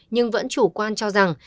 nhưng vẫn chủ quan cho rằng